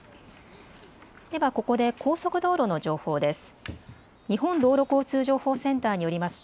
ではここで高速道路の情報です。